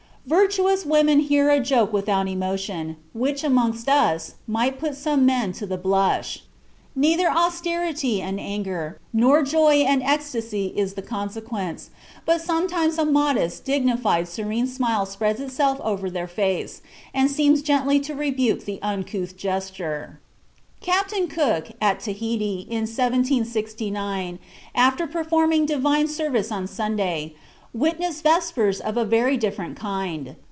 ... Virtuous women hear a joke without emotion, which, amongst us, might put some men to the blush. Neither austerity and anger, nor joy and ecstasy is the consequence, but sometimes a modest, dignified, serene smile spreads itself over their face, and seems gently to rebuke the uncouth jester." (J.R. Forster, Observations made During a Voyage Round the World, 1728, p. 392.) Captain Cook, at Tahiti, in 1769, after performing Divine service on Sunday, witnessed "Vespers of a very different kind.